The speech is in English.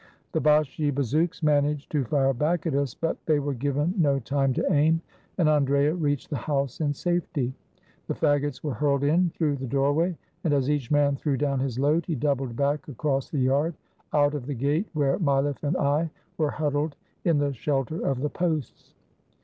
The Bashi bazouks managed to fire back at us, but they were given no time to aim, and Andrea reached the house in safety. The fagots were hurled in through the doorway, and as each man threw down his load, he doubled back across the yard, out of the gate where Mileff and I were hud dled, in the shelter of the posts.